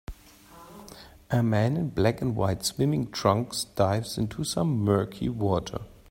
A man in black and white swimming trunks dives into some murky water.